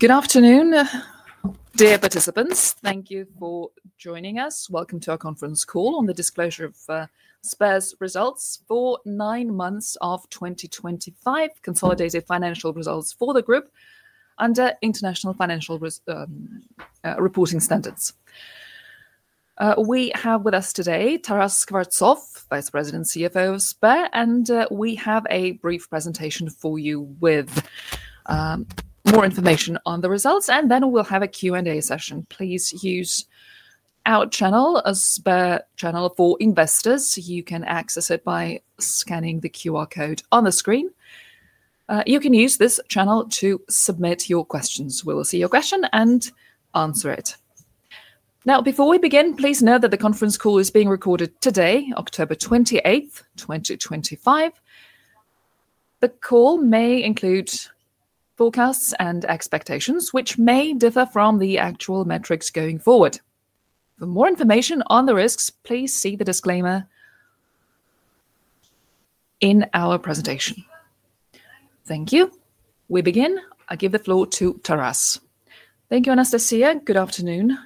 Good afternoon, dear participants. Thank you for joining us. Welcome to our conference call on the disclosure of Sber's results for nine months of 2025, consolidated financial results for the group under International Financial Reporting Standards. We have with us today Taras Skvortsov, Vice President and CFO of Sber, and we have a brief presentation for you with more information on the results. After that, we'll have a Q&A session. Please use our channel, Sber channel for investors. You can access it by scanning the QR code on the screen. You can use this channel to submit your questions. We will see your question and answer it. Now, before we begin, please note that the conference call is being recorded today, October 28th, 2025. The call may include forecasts and expectations, which may differ from the actual metrics going forward. For more information on the risks, please see the disclaimer in our presentation. Thank you. We begin. I give the floor to Taras. Thank you, Anastasia. Good afternoon,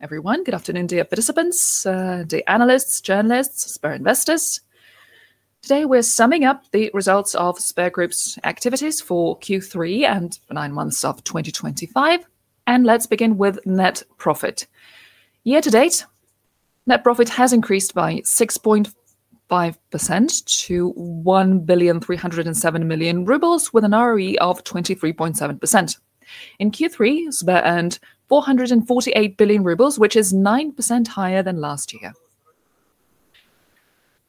everyone. Good afternoon, dear participants, dear analysts, journalists, Sber investors. Today, we're summing up the results of Sber Group's activities for Q3 and nine months of 2025. Let's begin with net profit. Year-to-date, net profit has increased by 6.5% to 1.307 billion rubles, with an ROE of 23.7%. In Q3, Sber earned 448 billion rubles which is 9% higher than last year.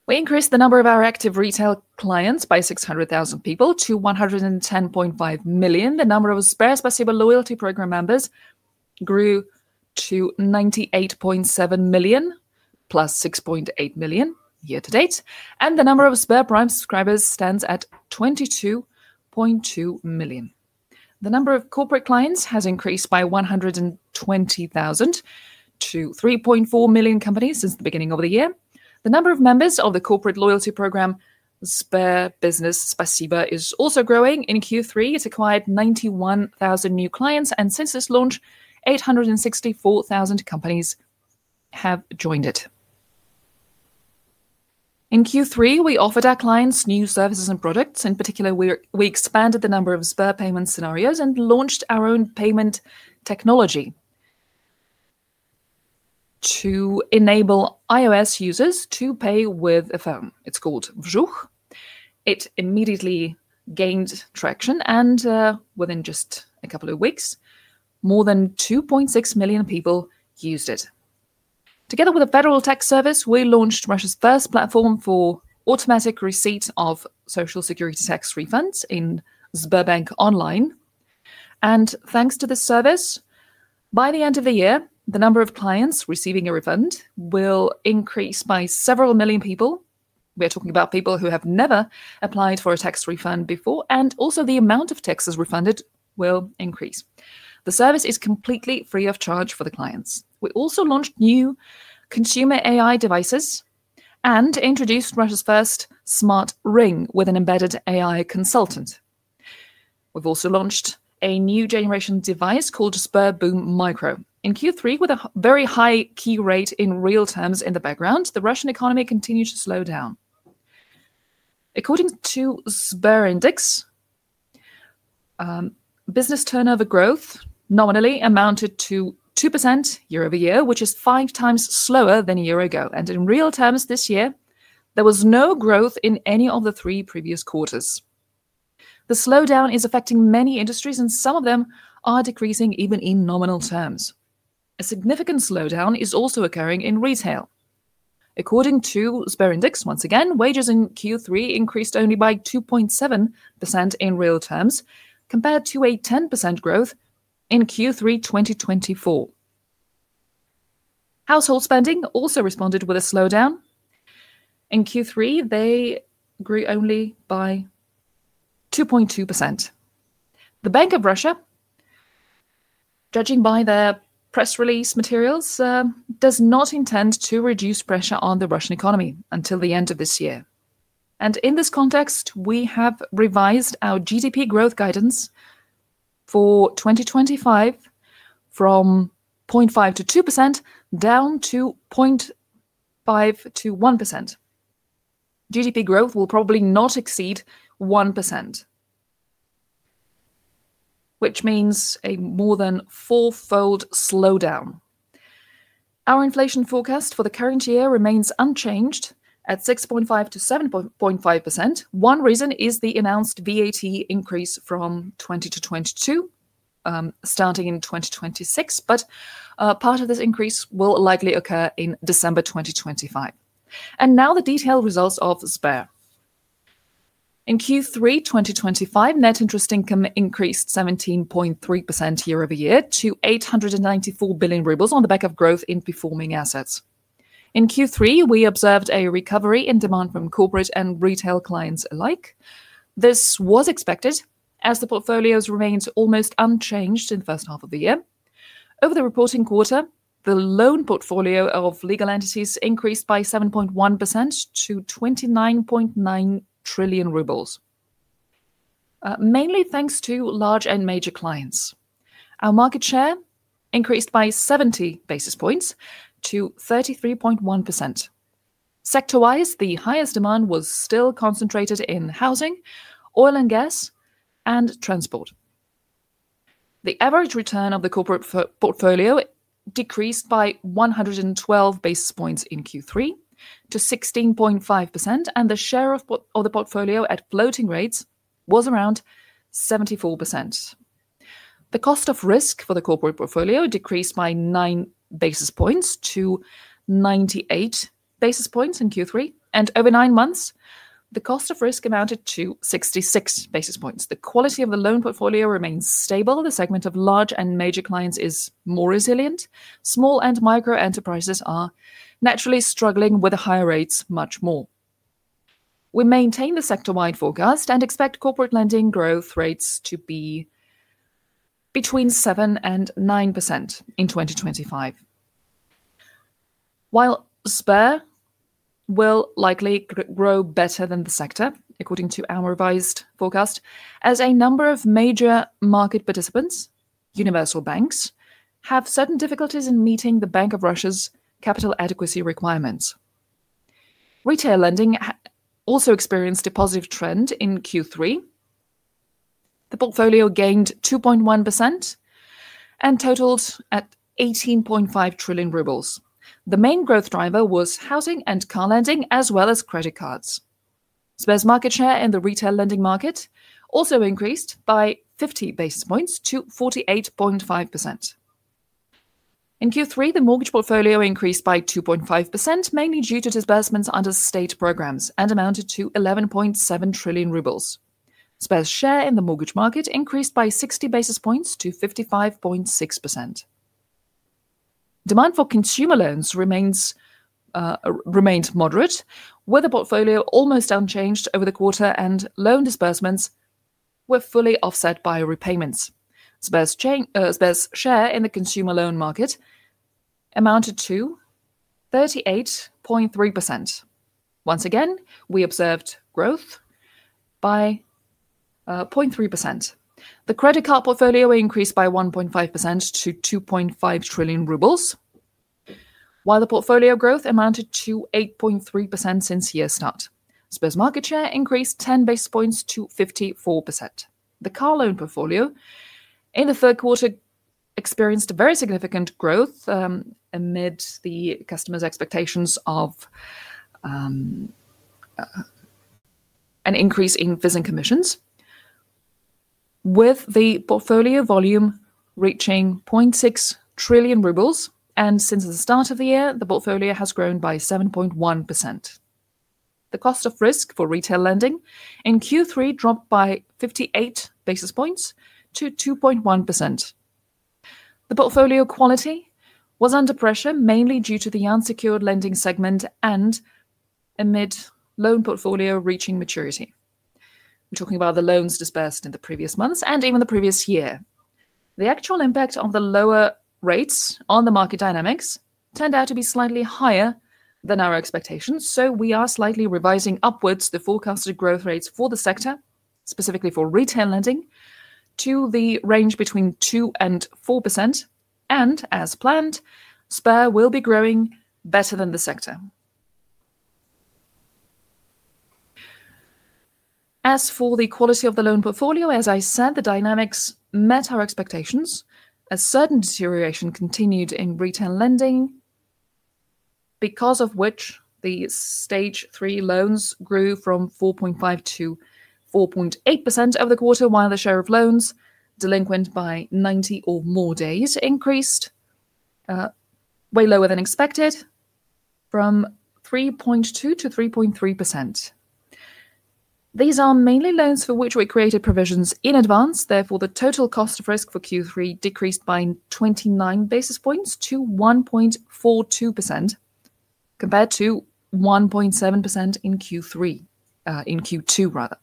We increased the number of our active retail clients by 600,000 people to 110.5 million. The number of SberSpasibo loyalty program members grew to 98.7 million, +6.8 million year-to-date. The number of SberPrime subscribers stands at 22.2 million. The number of corporate clients has increased by 120,000 to 3.4 million companies since the beginning of the year. The number of members of the corporate loyalty program, Sber Business Spasibo, is also growing. In Q3, it acquired 91,000 new clients, and since its launch, 864,000 companies have joined it. In Q3, we offered our clients new services and products. In particular, we expanded the number of Sber payment scenarios and launched our own payment technology to enable iOS users to pay with a phone. It's called Вжух. It immediately gained traction, and within just a couple of weeks, more than 2.6 million people used it. Together with the Federal Tax Service, we launched Russia's first platform for automatic receipt of Social Security tax refunds in Sberbank Online. Thanks to this service, by the end of the year, the number of clients receiving a refund will increase by several million people. We are talking about people who have never applied for a tax refund before, and also the amount of taxes refunded will increase. The service is completely free of charge for the clients. We also launched new consumer AI devices and introduced Russia's first smart ring with an embedded AI consultant. We've also launched a new generation device called SberBoom Micro. In Q3, with a very high key rate in real terms in the background, the Russian economy continued to slow down. According to SberIndex, business turnover growth nominally amounted to 2% year-over-year, which is 5x slower than a year ago. In real terms this year, there was no growth in any of the three previous quarters. The slowdown is affecting many industries, and some of them are decreasing even in nominal terms. A significant slowdown is also occurring in retail. According to SberIndex, once again, wages in Q3 increased only by 2.7% in real terms compared to a 10% growth in Q3 2024. Household spending also responded with a slowdown. In Q3, they grew only by 2.2%. The Bank of Russia, judging by their press release materials, does not intend to reduce pressure on the Russian economy until the end of this year. In this context, we have revised our GDP growth guidance for 2025 from 0.5%-2% down to 0.5%-1%. GDP growth will probably not exceed 1%, which means a more than four-fold slowdown. Our inflation forecast for the current year remains unchanged at 6.5%-7.5%. One reason is the announced VAT increase from 20%-22% starting in 2026, but part of this increase will likely occur in December, 2025. Now the detailed results of Sber. In Q3 2025, net interest income increased 17.3% year-over-year to 894 billion rubles on the back of growth in performing assets. In Q3, we observed a recovery in demand from corporate and retail clients alike. This was expected as the portfolios remained almost unchanged in the first half of the year. Over the reporting quarter, the loan portfolio of legal entities increased by 7.1% to 29.9 trillion rubles, mainly thanks to large and major clients. Our market share increased by 70 basis points to 33.1%. Sector-wise, the highest demand was still concentrated in housing, oil and gas, and transport. The average return of the corporate portfolio decreased by 112 basis points in Q3 to 16.5%, and the share of the portfolio at floating rates was around 74%. The cost of risk for the corporate portfolio decreased by 9 basis points to 98 basis points in Q3, and over nine months, the cost of risk amounted to 66 basis points. The quality of the loan portfolio remains stable. The segment of large and major clients is more resilient. Small and micro enterprises are naturally struggling with higher rates much more. We maintain the sector-wide forecast and expect corporate lending growth rates to be between 7% and 9% in 2025. Sber will likely grow better than the sector, according to our revised forecast, as a number of major market participants, universal banks, have certain difficulties in meeting the Bank of Russia's capital adequacy requirements. Retail lending also experienced a positive trend in Q3. The portfolio gained 2.1% and totaled 18.5 trillion rubles. The main growth driver was housing and car lending, as well as credit cards. Sber's market share in the retail lending market also increased by 50 basis points to 48.5%. In Q3, the mortgage portfolio increased by 2.5%, mainly due to disbursements under state programs and amounted to 11.7 trillion rubles. Sber's share in the mortgage market increased by 60 basis points to 55.6%. Demand for consumer loans remained moderate, with the portfolio almost unchanged over the quarter, and loan disbursements were fully offset by repayments. Sber's share in the consumer loan market amounted to 38.3%. Once again, we observed growth by 0.3%. The credit card portfolio increased by 1.5% to 2.5 trillion rubles, while the portfolio growth amounted to 8.3% since year's start. Sber's market share increased 10 basis points to 54%. The car loan portfolio in the third quarter experienced very significant growth amid the customers' expectations of an increase in visiting commissions, with the portfolio volume reaching 0.6 trillion rubles. Since the start of the year, the portfolio has grown by 7.1%. The cost of risk for retail lending in Q3 dropped by 58 basis points to 2.1%. The portfolio quality was under pressure, mainly due to the unsecured lending segment and amid the loan portfolio reaching maturity. We're talking about the loans disbursed in the previous months and even the previous year. The actual impact of the lower rates on the market dynamics turned out to be slightly higher than our expectations. We are slightly revising upwards the forecasted growth rates for the sector, specifically for retail lending, to the range between 2% and 4%. As planned, Sber will be growing better than the sector. As for the quality of the loan portfolio, as I said, the dynamics met our expectations. A certain deterioration continued in retail lending, because of which the stage three loans grew from 4.5% to 4.8% over the quarter, while the share of loans delinquent by 90 or more days increased way lower than expected from 3.2% to 3.3%. These are mainly loans for which we created provisions in advance. Therefore, the total cost of risk for Q3 decreased by 29 basis points to 1.42% compared to 1.7% in Q2.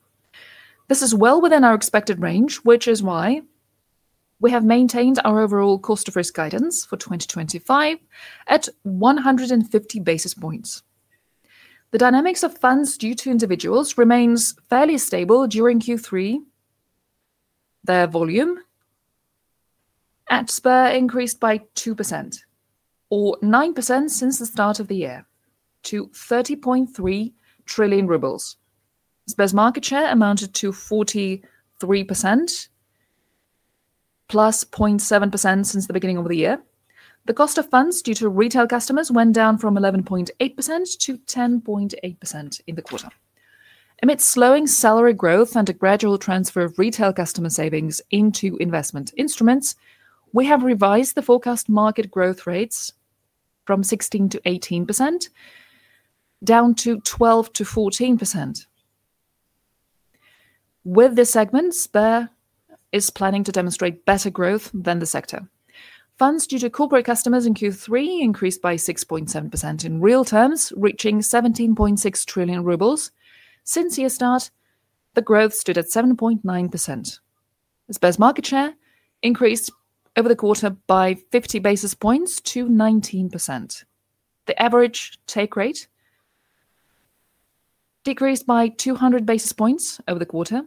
This is well within our expected range, which is why we have maintained our overall cost of risk guidance for 2025 at 150 basis points. The dynamics of funds due to individuals remained fairly stable during Q3. Their volume at Sber increased by 2% or 9% since the start of the year to 30.3 trillion rubles. Sber's market share amounted to 43%, +0.7% since the beginning of the year. The cost of funds due to retail customers went down from 11.8% to 10.8% in the quarter. Amid slowing salary growth and a gradual transfer of retail customer savings into investment instruments, we have revised the forecast market growth rates from 16%-18% down to 12%-14%. With this segment, Sber is planning to demonstrate better growth than the sector. Funds due to corporate customers in Q3 increased by 6.7%. In real terms, reaching 17.6 trillion rubles since year's start, the growth stood at 7.9%. Sber's market share increased over the quarter by 50 basis points to 19%. The average take rate decreased by 200 basis points over the quarter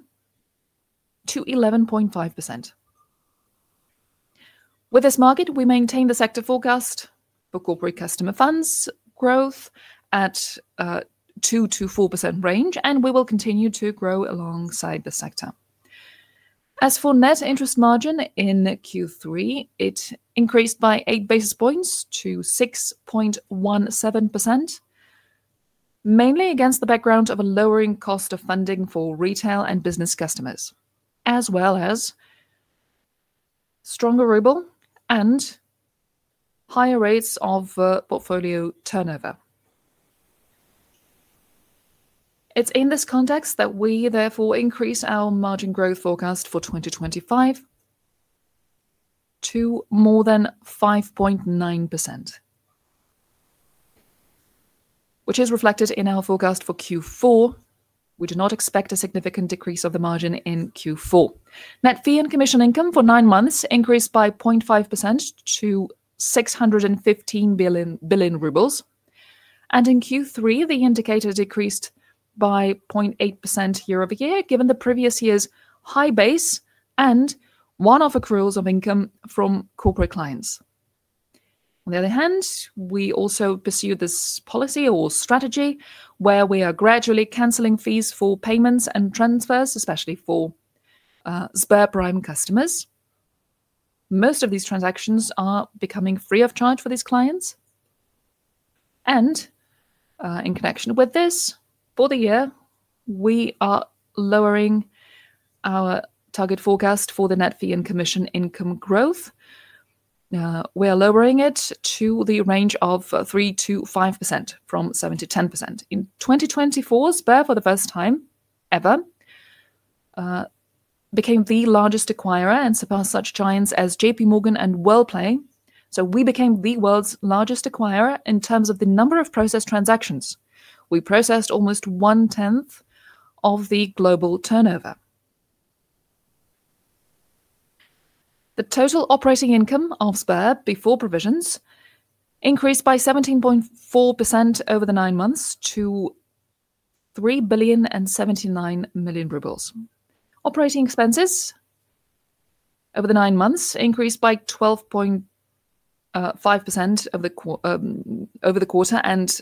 to 11.5%. With this market, we maintain the sector forecast for corporate customer funds growth at a 2%-4% range, and we will continue to grow alongside the sector. As for net interest margin in Q3, it increased by 8 basis points to 6.17%, mainly against the background of a lowering cost of funding for retail and business customers, as well as stronger rubles and higher rates of portfolio turnover. It is in this context that we therefore increase our margin growth forecast for 2025 to more than 5.9%, which is reflected in our forecast for Q4. We do not expect a significant decrease of the margin in Q4. Net fee and commission income for nine months increased by 0.5% to 615 billion rubles. In Q3, the indicator decreased by 0.8% year-over-year, given the previous year's high base and one-off accruals of income from corporate clients. On the other hand, we also pursue this policy or strategy where we are gradually canceling fees for payments and transfers, especially for SberPrime customers. Most of these transactions are becoming free of charge for these clients. In connection with this, for the year, we are lowering our target forecast for the net fee and commission income growth. We are lowering it to the range of 3%-5% from 7%-10%. In 2024, Sber, for the first time ever, became the largest acquirer and surpassed such giants as JPMorgan and Worldpay. We became the world's largest acquirer in terms of the number of processed transactions. We processed almost 1/10 of the global turnover. The total operating income of Sber before provisions increased by 17.4% over the nine months to 3.079 billion. Operating expenses over the nine months increased by 12.5% over the quarter and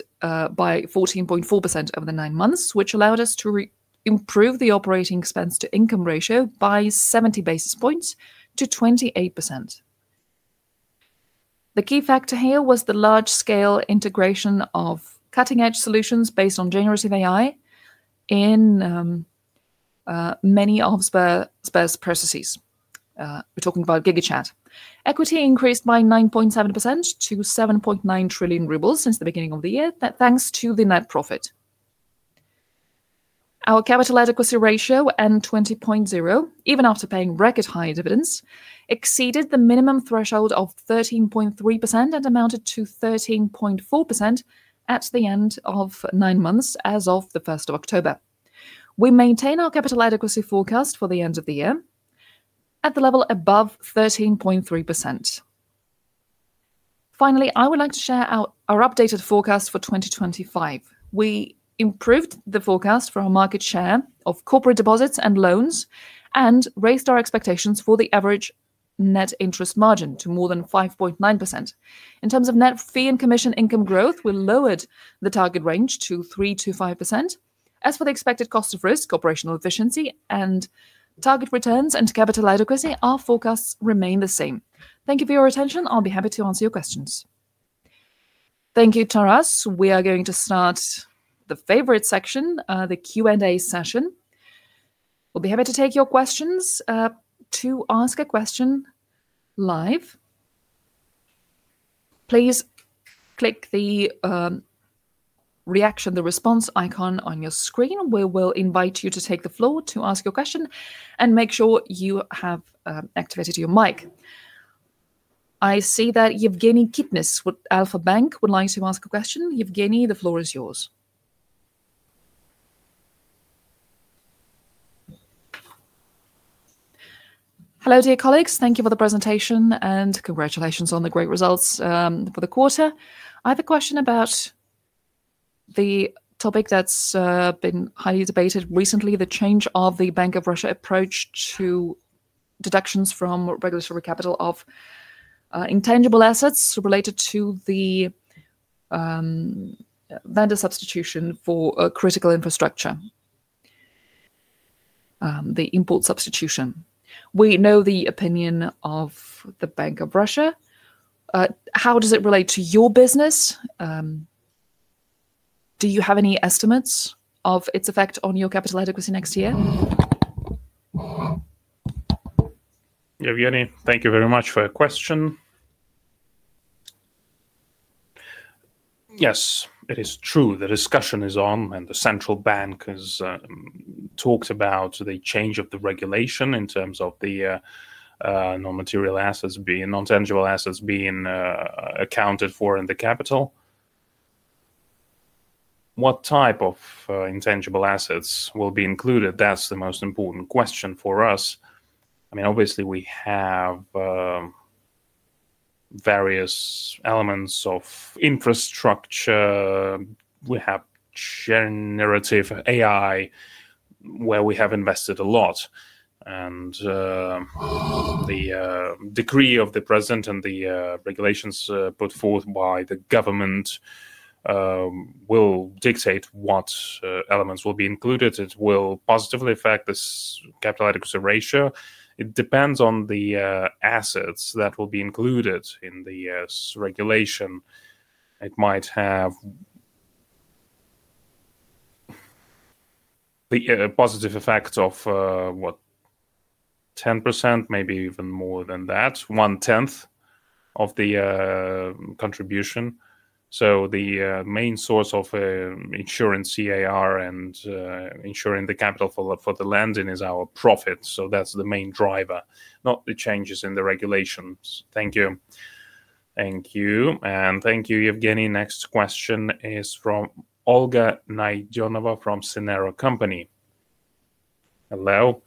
by 14.4% over the nine months, which allowed us to improve the operating expense-to-income ratio by 70 basis points to 28%. The key factor here was the large-scale integration of cutting-edge solutions based on generative AI in many of Sber's processes. We're talking about GigaChat. Equity increased by 9.7% to 7.9 trillion rubles since the beginning of the year, thanks to the net profit. Our capital adequacy ratio at 20.0%, even after paying record high dividends, exceeded the minimum threshold of 13.3% and amounted to 13.4% at the end of nine months, as of October 1st. We maintain our capital adequacy forecast for the end of the year at the level above 13.3%. Finally, I would like to share our updated forecast for 2025. We improved the forecast for our market share of corporate deposits and loans and raised our expectations for the average net interest margin to more than 5.9%. In terms of net fee and commission income growth, we lowered the target range to 3%-5%. As for the expected cost of risk, operational efficiency, target returns, and capital adequacy, our forecasts remain the same. Thank you for your attention. I'll be happy to answer your questions. Thank you, Taras. We are going to start the favorite section, the Q&A session. We'll be happy to take your questions. To ask a question live, please click the reaction, the response icon on your screen. We will invite you to take the floor to ask your question and make sure you have activated your mic. I see that Yevgeny Kipnis with Alfa-Bank would like to ask a question. Yevgeny, the floor is yours. Hello, dear colleagues. Thank you for the presentation and congratulations on the great results for the quarter. I have a question about the topic that's been highly debated recently, the change of the Bank of Russia approach to deductions from regulatory capital of intangible assets related to the vendor substitution for critical infrastructure, the import substitution. We know the opinion of the Bank of Russia. How does it relate to your business? Do you have any estimates of its effect on your capital adequacy next year? Yevgeny, thank you very much for your question. Yes, it is true. The discussion is on, and the central bank has talked about the change of the regulation in terms of the nonmaterial assets, non-tangible assets being accounted for in the capital. What type of intangible assets will be included? That's the most important question for us. I mean, obviously, we have various elements of infrastructure. We have generative AI, where we have invested a lot. The decree of the president and the regulations put forth by the government will dictate what elements will be included. It will positively affect this capital adequacy ratio. It depends on the assets that will be included in the regulation. It might have the positive effect of what, 10%, maybe even more than that, one-tenth of the contribution. The main source of insurance, CAR, and insuring the capital for the lending is our profit. That's the main driver, not the changes in the regulations. Thank you. Thank you. And thank you, Yevgeny. Next question is from Olga Nidionova from Sinero Company. Hello.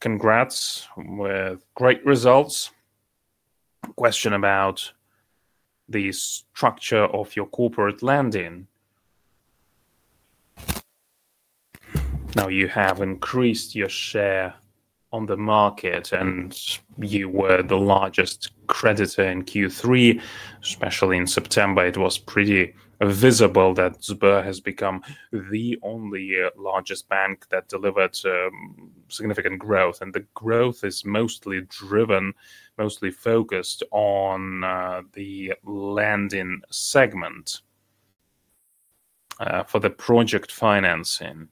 Congrats with great results. Question about the structure of your corporate lending. Now you have increased your share on the market, and you were the largest creditor in Q3. Especially in September, it was pretty Sber has become the only largest bank that delivered significant growth. The growth is mostly driven, mostly focused on the lending segment for the project financing.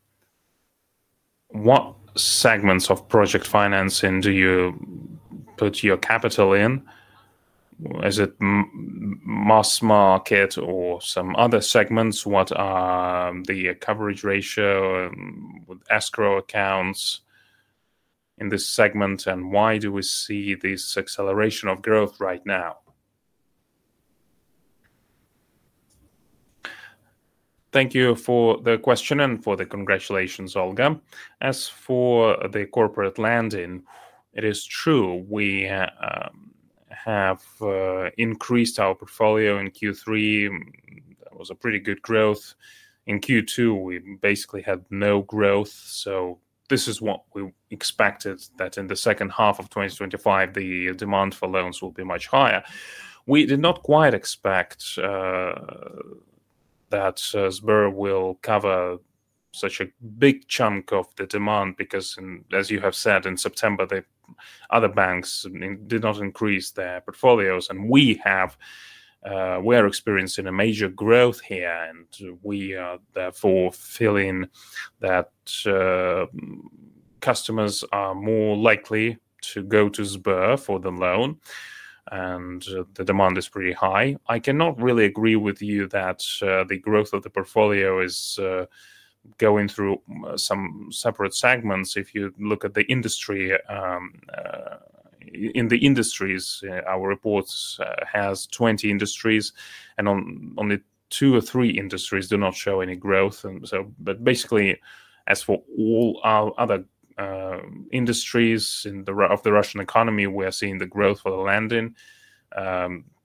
What segments of project financing do you put your capital in? Is it mass market or some other segments? What are the coverage ratio with escrow accounts in this segment? Why do we see this acceleration of growth right now? Thank you for the question and for the congratulations, Olga. As for the corporate lending, it is true we have increased our portfolio in Q3. That was a pretty good growth. In Q2, we basically had no growth. This is what we expected, that in the second half of 2025, the demand for loans will be much higher. We did not quite Sber will cover such a big chunk of the demand because, as you have said, in September, other banks did not increase their portfolios. We are experiencing a major growth here, and we are therefore feeling that customers are more likely to Sber for the loan, and the demand is pretty high. I cannot really agree with you that the growth of the portfolio is going through some separate segments. If you look at the industries, our report has 20 industries, and only two or three industries do not show any growth. Basically, as for all our other industries of the Russian economy, we are seeing the growth for the lending.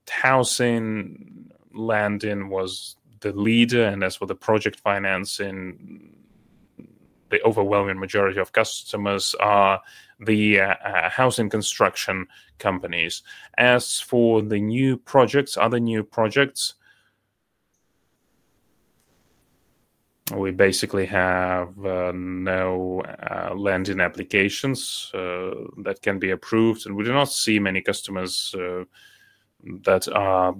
Housing lending was the leader, and as for the project financing, the overwhelming majority of customers are the housing construction companies. As for the new projects, other new projects, we basically have no lending applications that can be approved, and we do not see many customers that are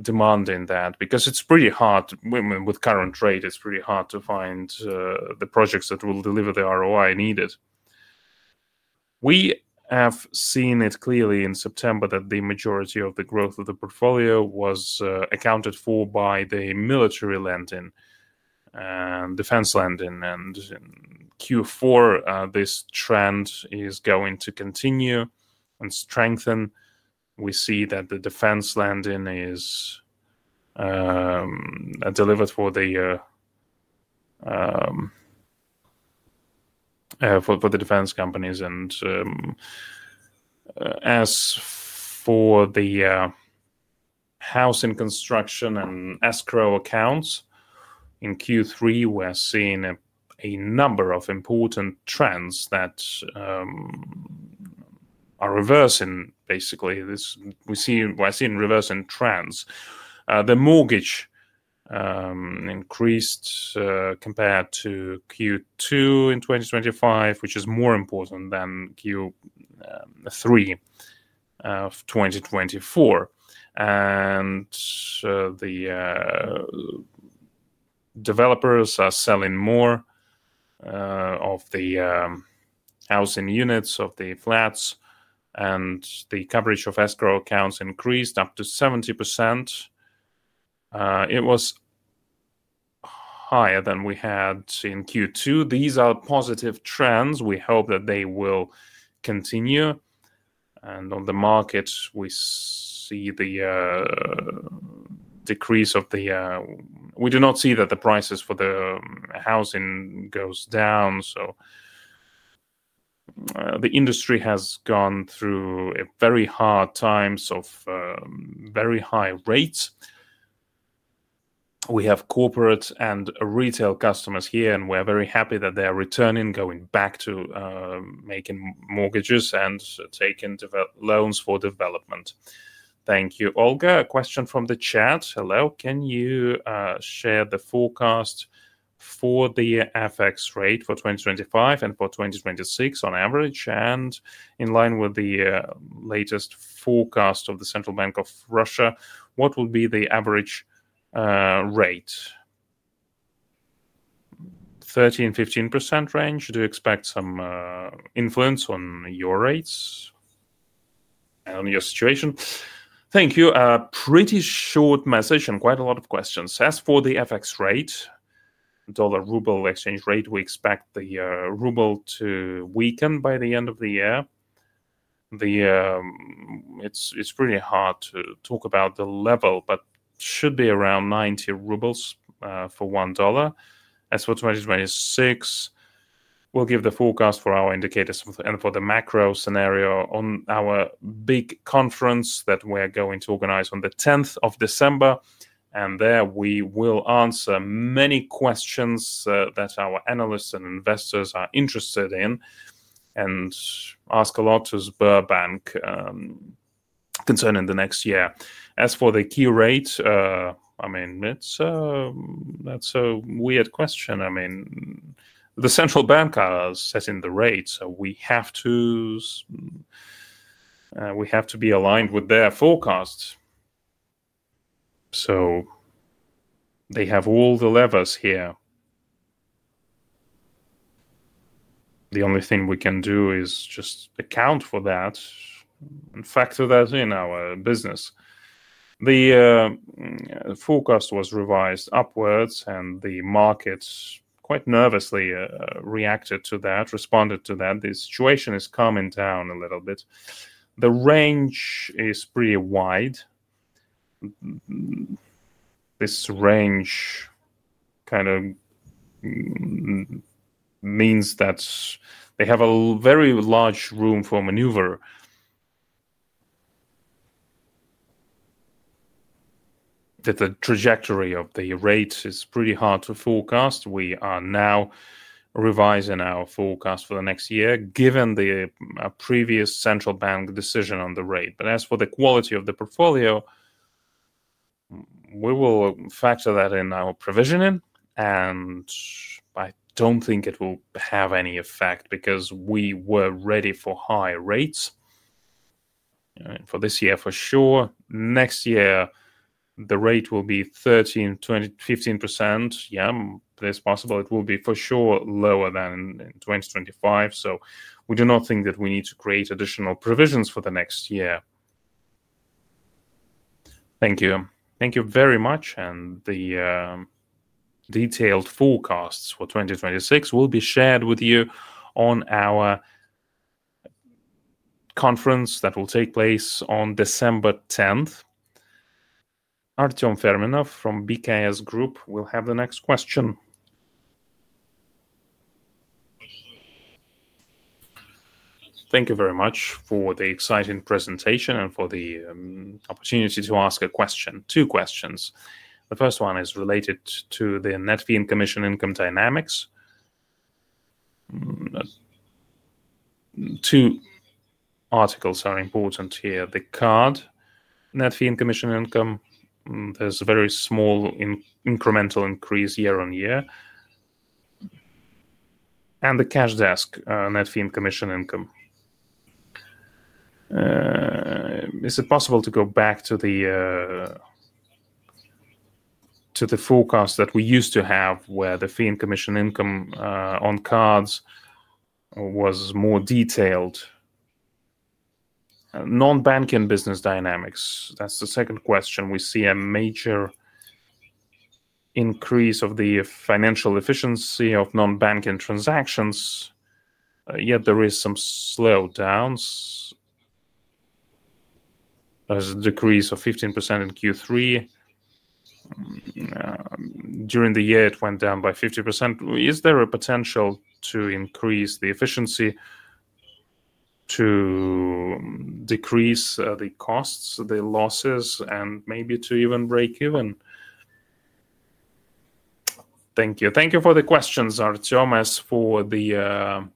demanding that because it's pretty hard with current rates. It's pretty hard to find the projects that will deliver the ROI needed. We have seen it clearly in September that the majority of the growth of the portfolio was accounted for by the military lending and defense lending. In Q4, this trend is going to continue and strengthen. We see that the defense lending is delivered for the defense companies. As for the housing construction and escrow accounts, in Q3, we're seeing a number of important trends that are reversing. Basically, we're seeing reversing trends. The mortgage increased compared to Q2 in 2025, which is more important than Q3 of 2024. The developers are selling more of the housing units, of the flats, and the coverage of escrow accounts increased up to 70%. It was higher than we had in Q2. These are positive trends. We hope that they will continue. On the market, we see the decrease of the... We do not see that the prices for the housing go down. The industry has gone through very hard times of very high rates. We have corporate and retail customers here, and we are very happy that they are returning, going back to making mortgages and taking loans for development. Thank you, Olga. A question from the chat. Hello. Can you share the forecast for the FX rate for 2025 and for 2026 on average? In line with the latest forecast of the Central Bank of Russia, what will be the average rate? 13%, 15% range. Do you expect some influence on your rates and on your situation? Thank you. A pretty short message and quite a lot of questions. As for the FX rate, dollar ruble exchange rate, we expect the ruble to weaken by the end of the year. It's really hard to talk about the level, but it should be around 90 rubles for $1. As for 2026, we'll give the forecast for our indicators and for the macro scenario on our big conference that we're going to organize on the 10th of December. There we will answer many questions that our analysts and investors are interested in and ask a to Sber concerning the next year. As for the key rate, that's a weird question. The central banks are setting the rates, so we have to be aligned with their forecast. They have all the levers here. The only thing we can do is just account for that and factor that in our business. The forecast was revised upwards, and the markets quite nervously reacted to that, responded to that. The situation is calming down a little bit. The range is pretty wide. This range kind of means that they have a very large room for maneuver. The trajectory of the rates is pretty hard to forecast. We are now revising our forecast for the next year, given the previous central bank decision on the rate. As for the quality of the portfolio, we will factor that in our provisioning, and I don't think it will have any effect because we were ready for high rates for this year for sure. Next year, the rate will be 13%, 15%. Yeah, it's possible it will be for sure lower than in 2025. We do not think that we need to create additional provisions for the next year. Thank you. Thank you very much. The detailed forecasts for 2026 will be shared with you on our conference that will take place on December 10th. Artem Perminov from BKS Group will have the next question. Thank you very much for the exciting presentation and for the opportunity to ask a question, two questions. The first one is related to the net fee and commission income dynamics. Two articles are important here. The card net fee and commission income, there's a very small incremental increase year-on-year. The cash desk net fee and commission income. Is it possible to go back to the forecast that we used to have where the fee and commission income on cards was more detailed? Non-banking business dynamics, that's the second question. We see a major increase of the financial efficiency of non-banking transactions, yet there are some slowdowns. There's a decrease of 15% in Q3. During the year, it went down by 50%. Is there a potential to increase the efficiency to decrease the costs, the losses, and maybe to even break even? Thank you. Thank you for the questions, Artem. As for the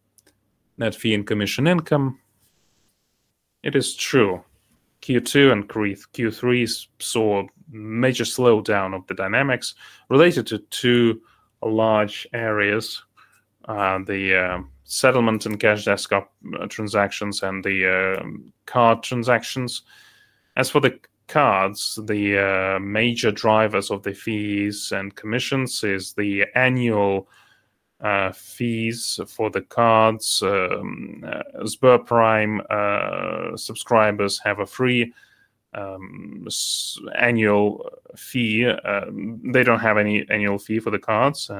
net fee and commission income, it is true. Q2 and Q3 saw a major slowdown of the dynamics related to two large areas: the settlement and cash desk transactions and the card transactions. As for the cards, the major drivers of the fees and commissions are the annual fees for the cards. SberPrime subscribers have a free annual fee. They don't have any annual fee for the cards.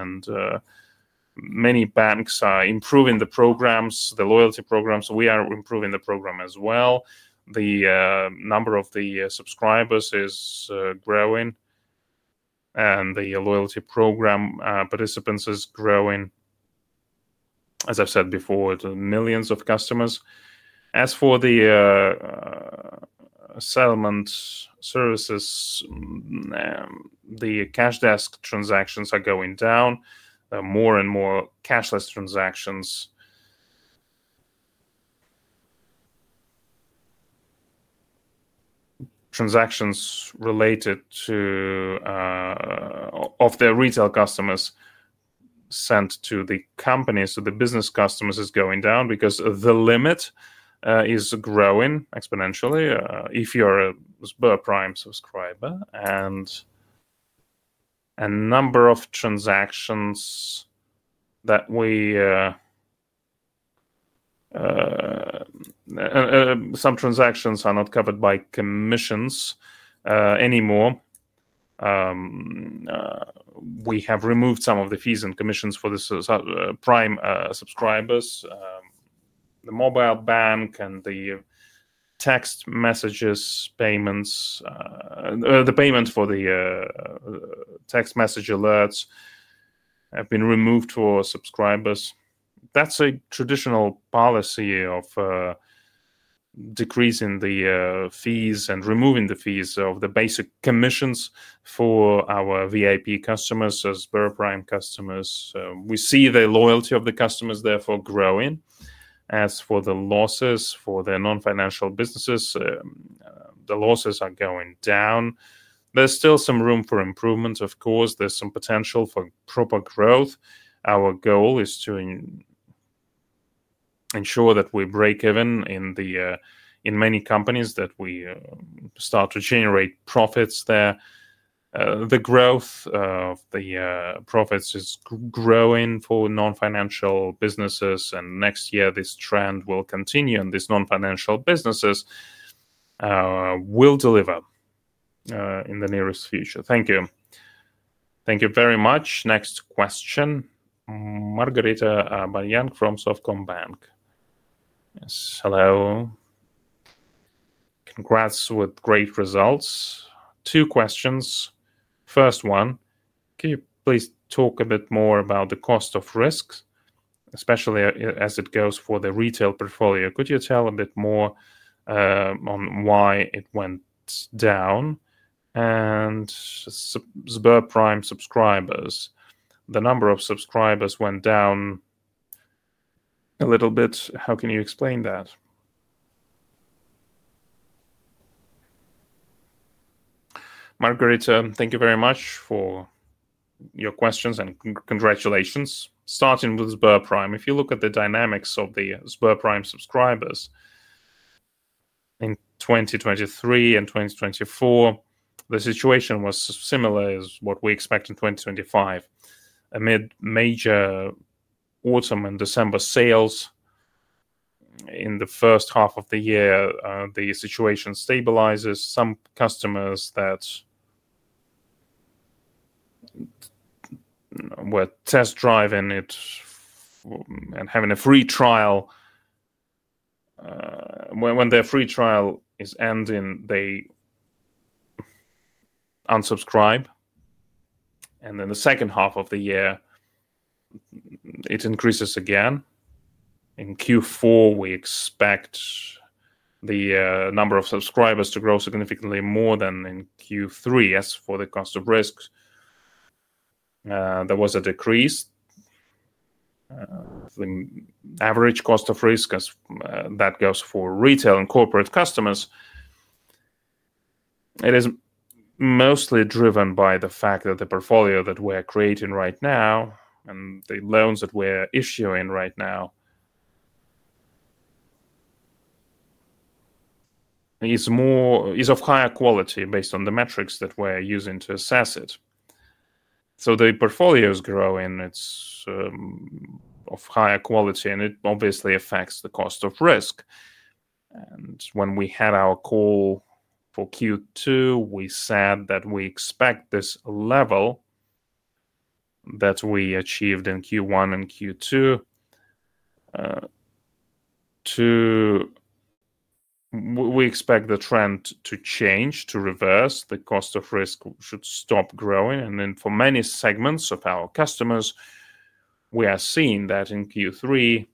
Many banks are improving the programs, the loyalty programs. We are improving the program as well. The number of the subscribers is growing, and the loyalty program participants are growing. As I've said before, it's millions of customers. As for the settlement services, the cash desk transactions are going down. There are more and more cashless transactions, transactions related to their retail customers sent to the companies. The business customers are going down because the limit is growing exponentially if you are a SberPrime subscriber. A number of transactions that we... Some transactions are not covered by commissions anymore. We have removed some of the fees and commissions for the Prime subscribers. The mobile bank and the text messages payments, the payment for the text message alerts have been removed for subscribers. That's a traditional policy of decreasing the fees and removing the fees of the basic commissions for our VIP customers, SberPrime customers. We see the loyalty of the customers therefore growing. As for the losses for their non-financial businesses, the losses are going down. There's still some room for improvement, of course. There's some potential for proper growth. Our goal is to ensure that we break even in many companies, that we start to generate profits there. The growth of the profits is growing for non-financial businesses. Next year, this trend will continue, and these non-financial businesses will deliver in the nearest future. Thank you. Thank you very much. Next question. Margarita Marjan from Softcom Bank. Yes, hello. Congrats with great results. Two questions. First one, can you please talk a bit more about the cost of risk, especially as it goes for the retail portfolio? Could you tell a bit more on why it went down? SberPrime subscribers, the number of subscribers went down a little bit. How can you explain that? Margarita, thank you very much for your questions and congratulations. Starting with SberPrime, if you look at the dynamics of the SberPrime subscribers in 2023 and 2024, the situation was similar as what we expect in 2025. Amid major autumn and December sales in the first half of the year, the situation stabilizes. Some customers that were test driving it and having a free trial, when their free trial is ending, they unsubscribe. In the second half of the year, it increases again. In Q4, we expect the number of subscribers to grow significantly more than in Q3. As for the cost of risk, there was a decrease. The average cost of risk, as that goes for retail and corporate customers, is mostly driven by the fact that the portfolio that we are creating right now and the loans that we are issuing right now is of higher quality based on the metrics that we're using to assess it. The portfolio is growing. It's of higher quality, and it obviously affects the cost of risk. When we had our call for Q2, we said that we expect this level that we achieved in Q1 and Q2 to change, to reverse. The cost of risk should stop growing. For many segments of our customers, we are seeing that in Q3,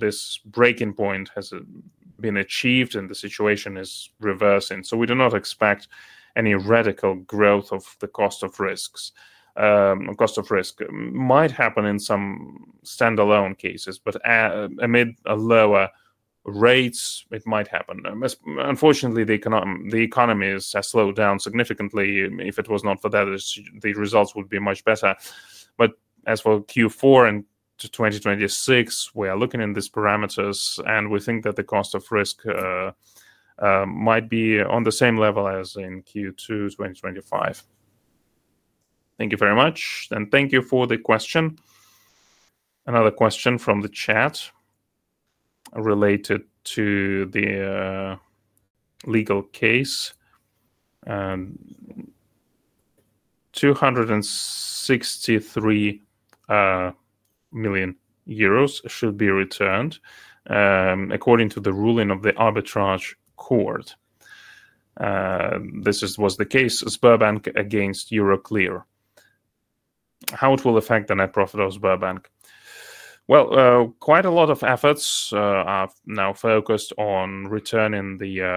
this breaking point has been achieved and the situation is reversing. We do not expect any radical growth of the cost of risk. Cost of risk might happen in some standalone cases, but amid lower rates, it might happen. Unfortunately, the economies have slowed down significantly. If it was not for that, the results would be much better. As for Q4 and 2026, we are looking at these parameters and we think that the cost of risk might be on the same level as in Q2 2025. Thank you very much. Thank you for the question. Another question from the chat related to the legal case. 263 million euros should be returned according to the ruling of the arbitrage court. This was case Sber against Euroclear. How will it affect the net profit of Sberbank? Quite a lot of efforts are now focused on returning the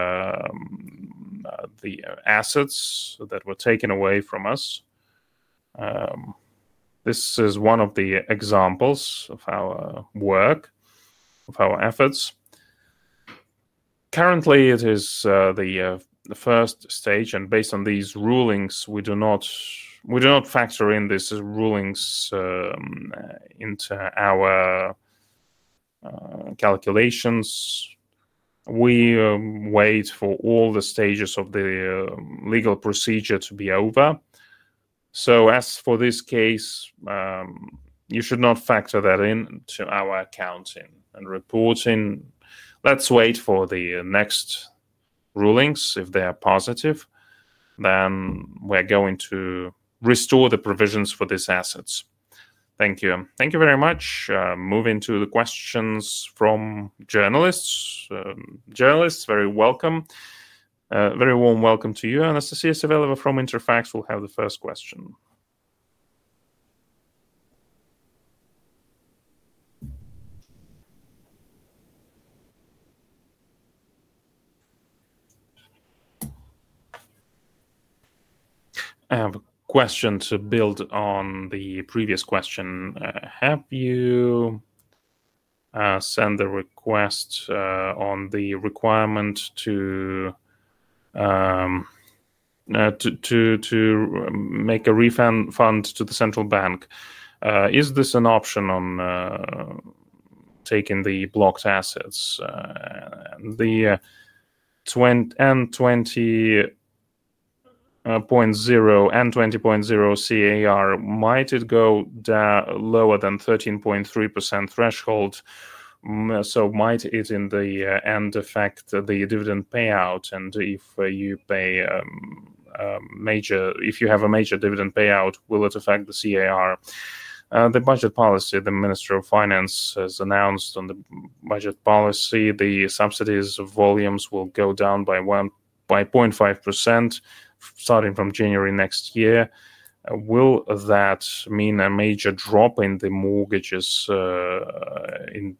assets that were taken away from us. This is one of the examples of our work, of our efforts. Currently, it is the first stage, and based on these rulings, we do not factor in these rulings into our calculations. We wait for all the stages of the legal procedure to be over. As for this case, you should not factor that into our accounting and reporting. Let's wait for the next rulings. If they are positive, then we are going to restore the provisions for these assets. Thank you. Thank you very much. Moving to the questions from journalists. Journalists, very welcome. Very warm welcome to you. Anastasia Teterevleva from Interfax will have the first question. I have a question to build on the previous question. Have you sent the request on the requirement to make a refund to the central bank? Is this an option on taking the blocked assets? At the end, 20.0% CAR, might it go lower than the 13.3% threshold? Might it in the end affect the dividend payout? If you pay a major dividend payout, will it affect the CAR? The budget policy, the Minister of Finance has announced on the budget policy, the subsidies volumes will go down by 0.5% starting from January next year. Will that mean a major drop in the mortgages in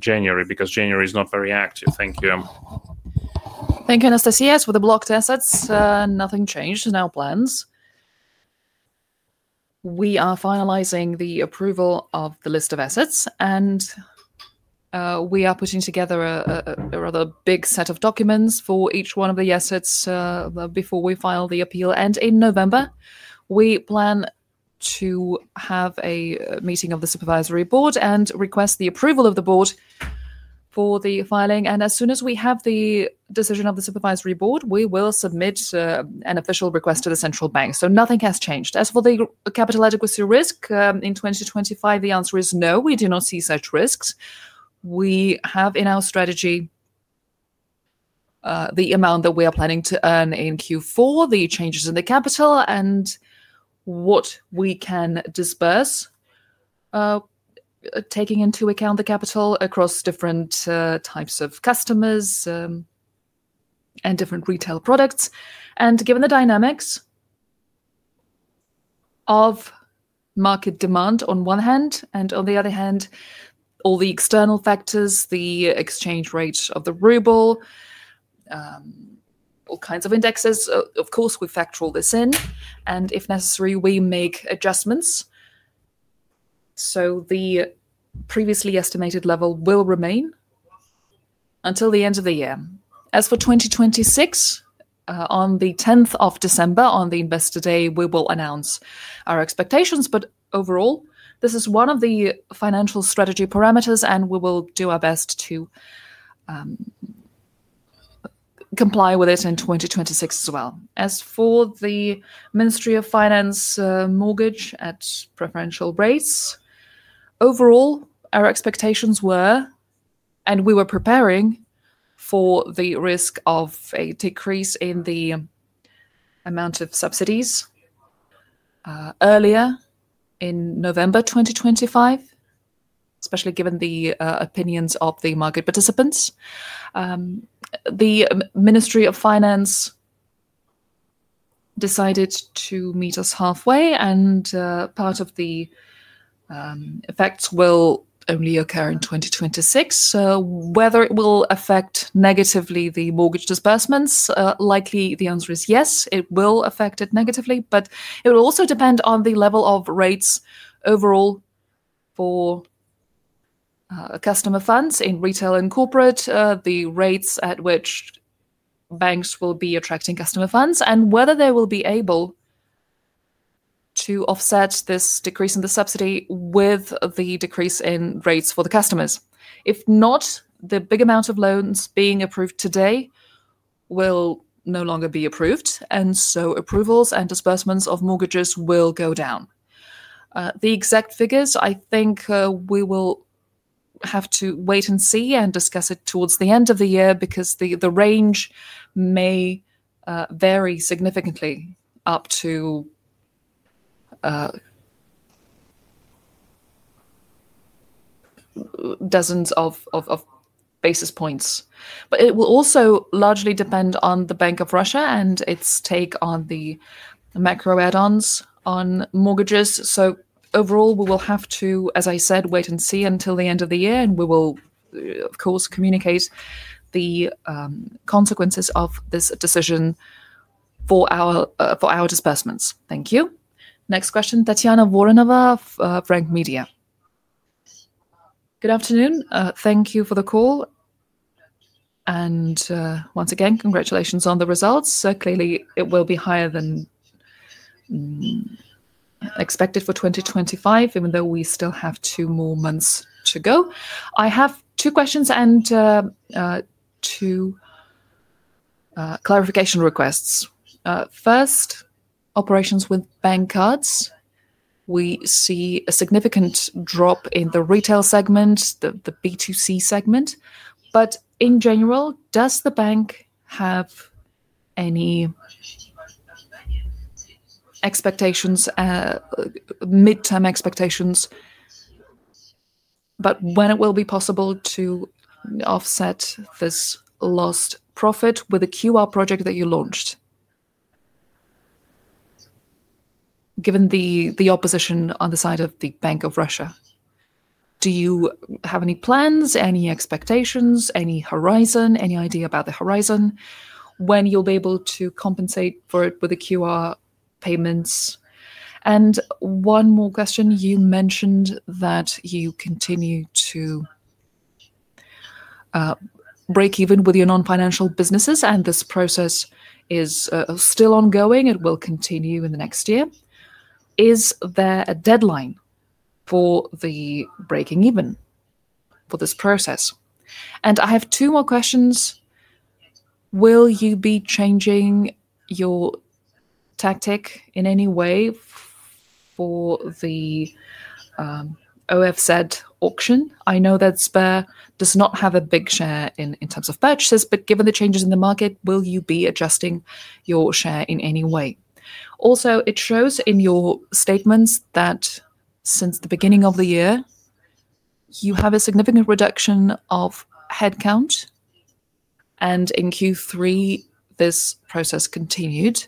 January? January is not very active. Thank you. Thank you, Anastasia. As for the blocked assets, nothing changed in our plans. We are finalizing the approval of the list of assets, and we are putting together a rather big set of documents for each one of the assets before we file the appeal. In November, we plan to have a meeting of the Supervisory Board and request the approval of the board for the filing. As soon as we have the decision of the Supervisory Board, we will submit an official request to the central bank. Nothing has changed. As for the capital adequacy risk, in 2025, the answer is no. We do not see such risks. We have in our strategy the amount that we are planning to earn in Q4, the changes in the capital, and what we can disperse, taking into account the capital across different types of customers and different retail products. Given the dynamics of market demand on one hand, and on the other hand, all the external factors, the exchange rate of the ruble, all kinds of indexes, of course, we factor all this in. If necessary, we make adjustments. The previously estimated level will remain until the end of the year. As for 2026, on the 10th of December, on the Investor Day, we will announce our expectations. Overall, this is one of the financial strategy parameters, and we will do our best to comply with it in 2026 as well. As for the Ministry of Finance mortgage at preferential rates, overall, our expectations were, and we were preparing for the risk of a decrease in the amount of subsidies earlier in November 2025, especially given the opinions of the market participants. The Ministry of Finance decided to meet us halfway, and part of the effects will only occur in 2026. Whether it will affect negatively the mortgage disbursements, likely the answer is yes, it will affect it negatively, but it will also depend on the level of rates overall for customer funds in retail and corporate, the rates at which banks will be attracting customer funds, and whether they will be able to offset this decrease in the subsidy with the decrease in rates for the customers. If not, the big amount of loans being approved today will no longer be approved, and approvals and disbursements of mortgages will go down. The exact figures, I think we will have to wait and see and discuss it towards the end of the year because the range may vary significantly up to dozens of basis points. It will also largely depend on the Bank of Russia and its take on the macro add-ons on mortgages. Overall, we will have to, as I said, wait and see until the end of the year, and we will, of course, communicate the consequences of this decision for our disbursements. Thank you. Next question, Tatyana Voronova of Frank Media. Good afternoon. Thank you for the call. Once again, congratulations on the results. Clearly, it will be higher than expected for 2025, even though we still have two more months to go. I have two questions and two clarification requests. First, operations with bank cards. We see a significant drop in the retail segment, the B2C segment. In general, does the bank have any expectations, midterm expectations, about when it will be possible to offset this lost profit with a QR project that you launched? Given the opposition on the side of the Bank of Russia, do you have any plans, any expectations, any horizon, any idea about the horizon when you'll be able to compensate for it with the QR payments? One more question. You mentioned that you continue to break even with your non-financial businesses, and this process is still ongoing. It will continue in the next year. Is there a deadline for the breaking even for this process? I have two more questions. Will you be changing your tactic in any way for the OFZ auction? I know that Sber does not have a big share in terms of purchases, but given the changes in the market, will you be adjusting your share in any way? It shows in your statements that since the beginning of the year, you have a significant reduction of headcount. In Q3, this process continued.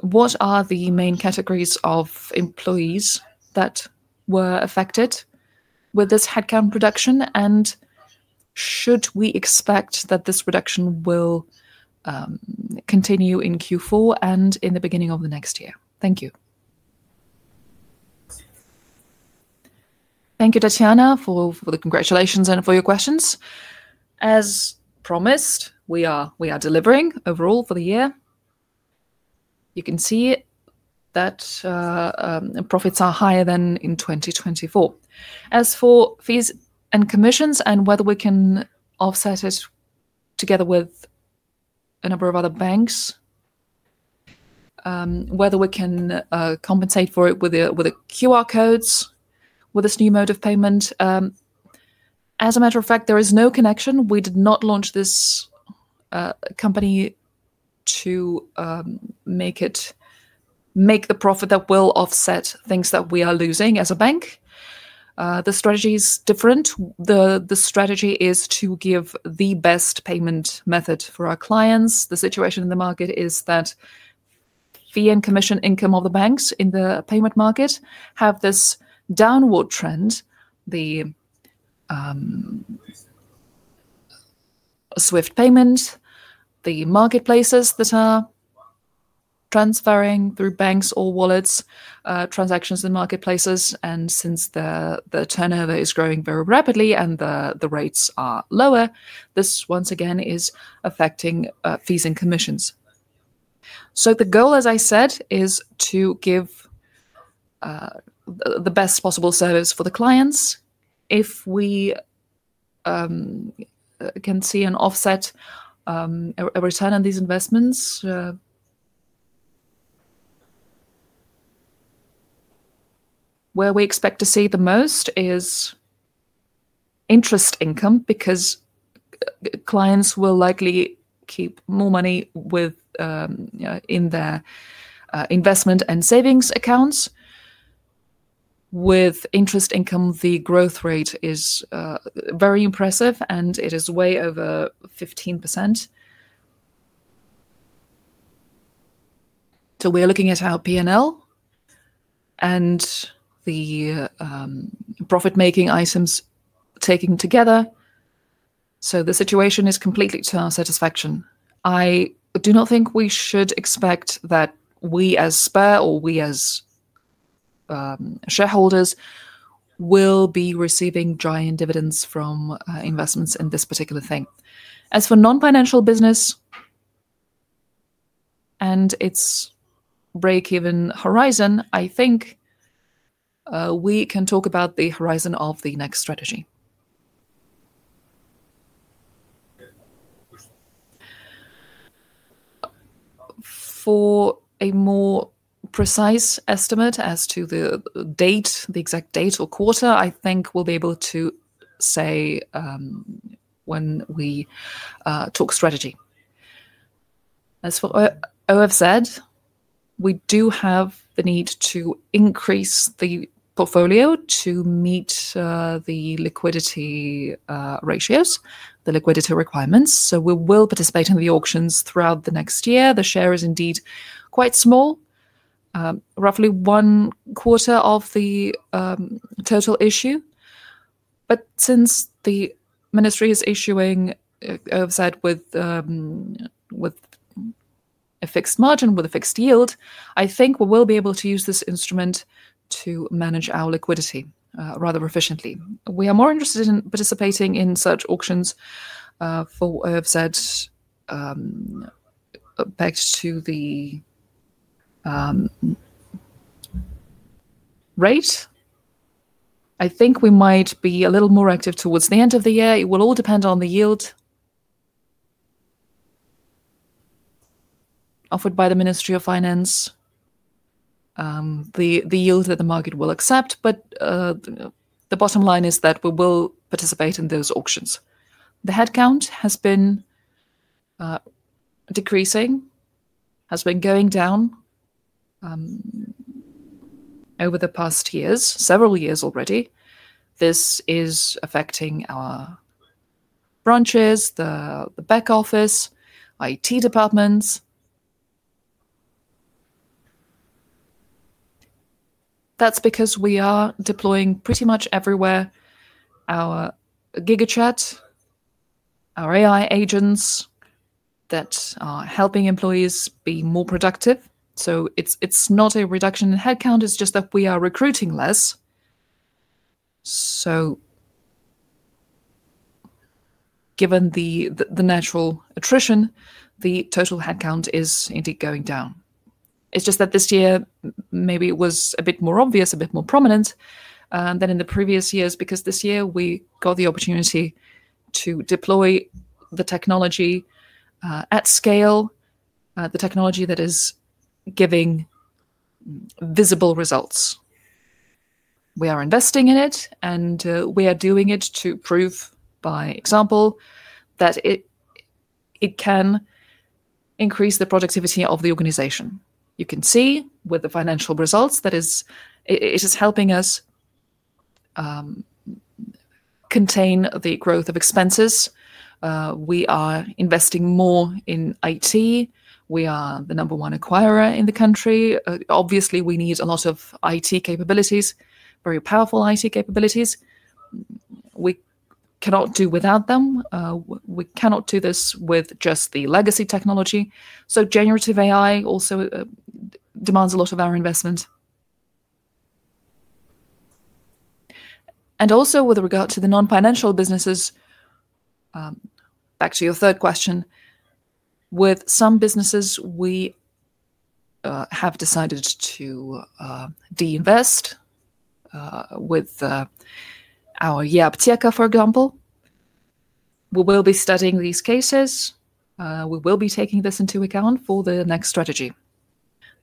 What are the main categories of employees that were affected with this headcount reduction? Should we expect that this reduction will continue in Q4 and in the beginning of the next year? Thank you. Thank you, Tatyana, for the congratulations and for your questions. As promised, we are delivering overall for the year. You can see that profits are higher than in 2024. As for fees and commissions and whether we can offset it together with a number of other banks, whether we can compensate for it with QR codes, with this new mode of payment. As a matter of fact, there is no connection. We did not launch this company to make the profit that will offset things that we are losing as a bank. The strategy is different. The strategy is to give the best payment method for our clients. The situation in the market is that fee and commission income of the banks in the payment market have this downward trend. The swift payment, the marketplaces that are transferring through banks or wallets, transactions in marketplaces, and since the turnover is growing very rapidly and the rates are lower, this once again is affecting fees and commissions. The goal, as I said, is to give the best possible service for the clients. If we can see an offset, a return on these investments, where we expect to see the most is interest income because clients will likely keep more money in their investment and savings accounts. With interest income, the growth rate is very impressive, and it is way over 15%. We are looking at our P&L and the profit-making items taken together. The situation is completely to our satisfaction. I do not think we should expect that we as Sber or we as shareholders will be receiving giant dividends from investments in this particular thing. As for non-financial business and its break-even horizon, I think we can talk about the horizon of the next strategy. For a more precise estimate as to the date, the exact date or quarter, I think we'll be able to say when we talk strategy. As for OFZ, we do have the need to increase the portfolio to meet the liquidity ratios, the liquidity requirements. We will participate in the auctions throughout the next year. The share is indeed quite small, roughly one quarter of the total issue. Since the Ministry is issuing OFZ with a fixed margin, with a fixed yield, I think we will be able to use this instrument to manage our liquidity rather efficiently. We are more interested in participating in such auctions for OFZ pegged to the rate. I think we might be a little more active towards the end of the year. It will all depend on the yield offered by the Ministry of Finance, the yield that the market will accept. The bottom line is that we will participate in those auctions. The headcount has been decreasing, has been going down over the past years, several years already. This is affecting our branches, the back office, IT departments. That's because we are deploying pretty much everywhere our GigaChat, our AI agents that are helping employees be more productive. It's not a reduction in headcount. It's just that we are recruiting less. Given the natural attrition, the total headcount is indeed going down. It's just that this year maybe it was a bit more obvious, a bit more prominent than in the previous years because this year we got the opportunity to deploy the technology at scale, the technology that is giving visible results. We are investing in it, and we are doing it to prove by example that it can increase the productivity of the organization. You can see with the financial results that it is helping us contain the growth of expenses. We are investing more in IT. We are the number one acquirer in the country. Obviously, we need a lot of IT capabilities, very powerful IT capabilities. We cannot do without them. We cannot do this with just the legacy technology. Generative AI also demands a lot of our investment. Also, with regard to the non-financial businesses, back to your third question, with some businesses we have decided to deinvest with our [YAPTEKA], for example. We will be studying these cases. We will be taking this into account for the next strategy.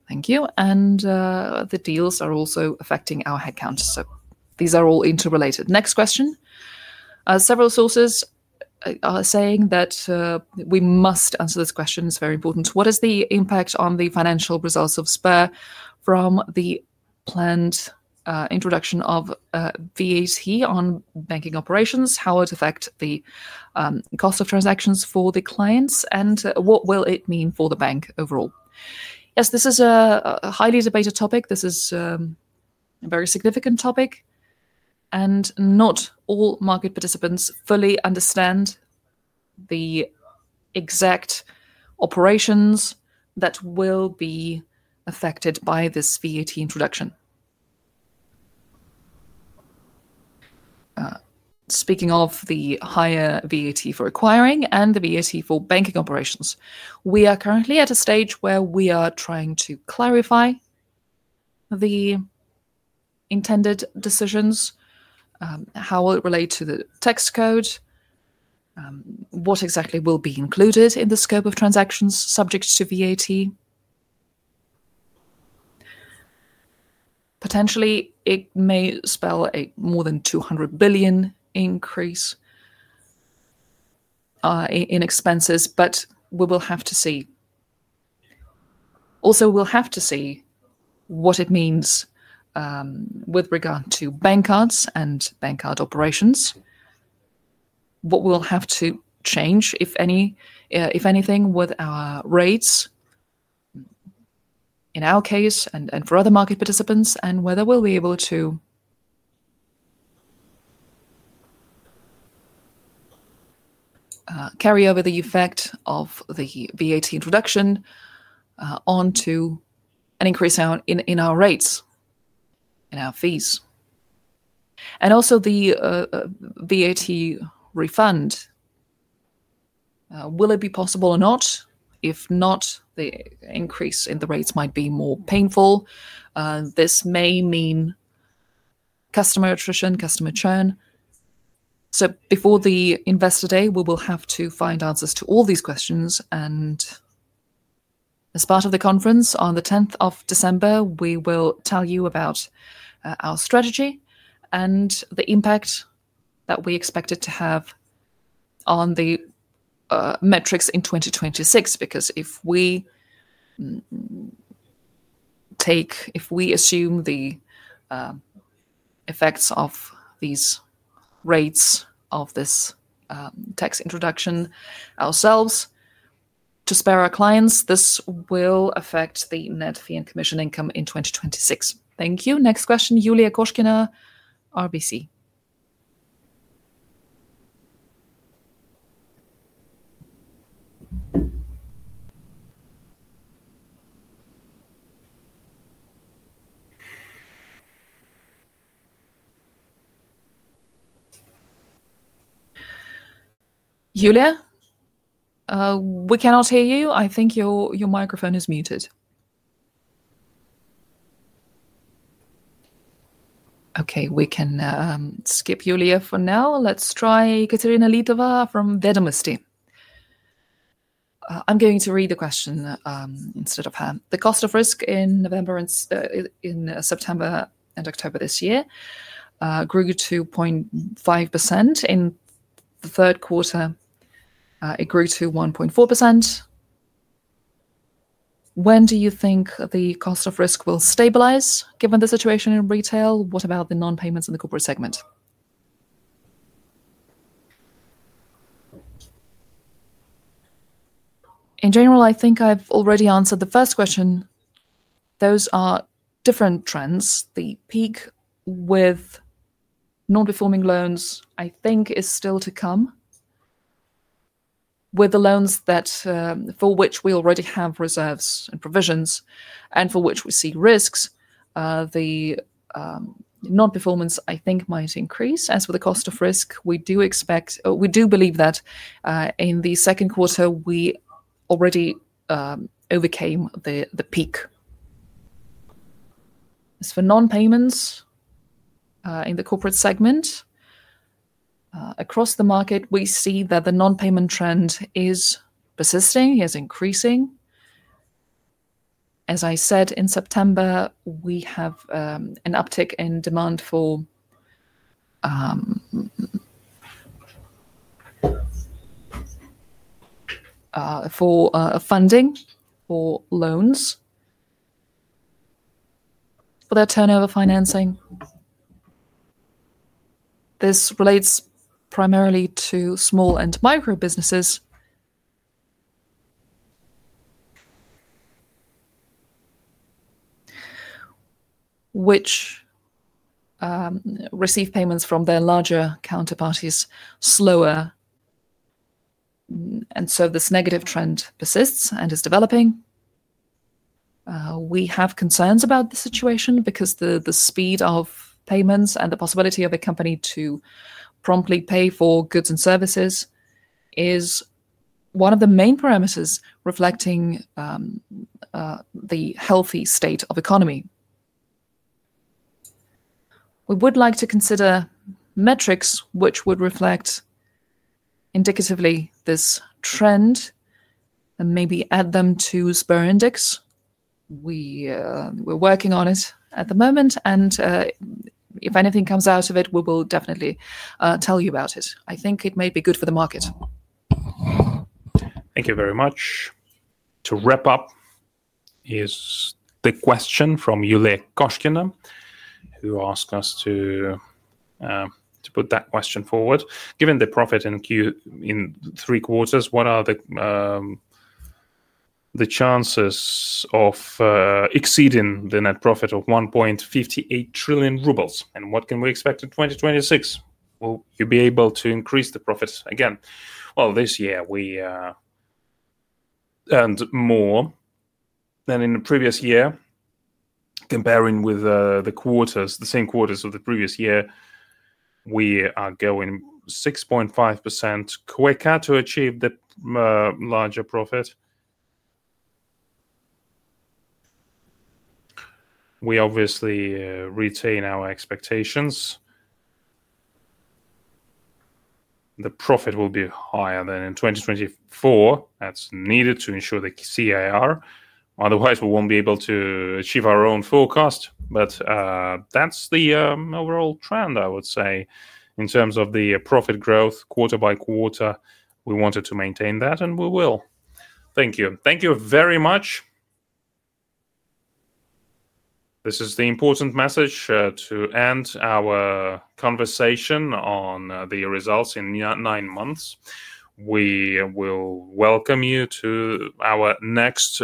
Thank you. The deals are also affecting our headcount. These are all interrelated. Next question. Several sources are saying that we must answer this question. It's very important. What is the impact on the financial results of Sber from the planned introduction of VAT on banking operations? How would it affect the cost of transactions for the clients? What will it mean for the bank overall? This is a highly debated topic. This is a very significant topic. Not all market participants fully understand the exact operations that will be affected by this VAT introduction. Speaking of the higher VAT for acquiring and the VAT for banking operations, we are currently at a stage where we are trying to clarify the intended decisions. How will it relate to the tax code? What exactly will be included in the scope of transactions subject to VAT? Potentially, it may spell a more than 200 billion increase in expenses, but we will have to see. Also, we'll have to see what it means with regard to bank cards and bank card operations. What we'll have to change, if anything, with our rates in our case and for other market participants and whether we'll be able to carry over the effect of the VAT introduction onto an increase in our rates, in our fees. Also the VAT refund. Will it be possible or not? If not, the increase in the rates might be more painful. This may mean customer attrition, customer churn. Before the Investor Day, we will have to find answers to all these questions. As part of the conference on December 10th, we will tell you about our strategy and the impact that we expect it to have on the metrics in 2026. If we assume the effects of these rates of this tax introduction ourselves to spare our clients, this will affect the net fee and commission income in 2026. Thank you. Next question, Yulia Koskina, RBC. Yulia, we cannot hear you. I think your microphone is muted. Okay, we can skip Yulia for now. Let's try Katerina Litova from Vedomosti. I'm going to read the question instead of her. The cost of risk in September and October this year grew 2.5%. In the third quarter, it grew to 1.4%. When do you think the cost of risk will stabilize given the situation in retail? What about the non-payments in the corporate segment? In general, I think I've already answered the first question. Those are different trends. The peak with non-performing loans, I think, is still to come. With the loans for which we already have reserves and provisions and for which we see risks, the non-performance, I think, might increase. As for the cost of risk, we do believe that in the second quarter, we already overcame the peak. As for non-payments in the corporate segment, across the market, we see that the non-payment trend is persisting, is increasing. As I said, in September, we have an uptick in demand for funding for loans for their turnover financing. This relates primarily to small and micro businesses, which receive payments from their larger counterparties slower. This negative trend persists and is developing. We have concerns about the situation because the speed of payments and the possibility of a company to promptly pay for goods and services is one of the main parameters reflecting the healthy state of the economy. We would like to consider metrics which would reflect indicatively this trend and maybe add them to Sber Index. We're working on it at the moment, and if anything comes out of it, we will definitely tell you about it. I think it may be good for the market. Thank you very much. To wrap up, here's the question from Yulia Koskina, who asked us to put that question forward. Given the profit in three quarters, what are the chances of exceeding the net profit of 1.58 trillion rubles? What can we expect in 2026? Will you be able to increase the profits again? This year we earned more than in the previous year. Comparing with the same quarters of the previous year, we are going 6.5% quicker to achieve the larger profit. We obviously retain our expectations. The profit will be higher than in 2024. That is needed to ensure the capital adequacy ratio. Otherwise, we won't be able to achieve our own forecast. That is the overall trend, I would say, in terms of the profit growth quarter by quarter. We wanted to maintain that, and we will. Thank you. Thank you very much. This is the important message to end our conversation on the results in nine months. We will welcome you to our next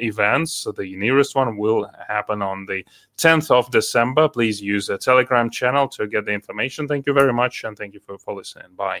events. The nearest one will happen on the 10th of December. Please use the Telegram channel to get the information. Thank you very much, and thank you for listening. Bye.